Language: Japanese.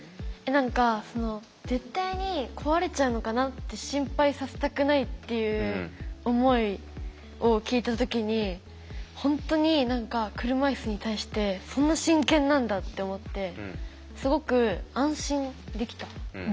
何かその絶対に壊れちゃうのかなって心配させたくないっていう思いを聞いた時に本当に何か車いすに対してそんな真剣なんだって思ってすごく安心できた。